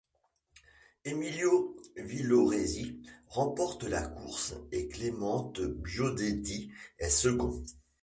Emilio Villoresi remporte la course et Clemente Biondetti est second.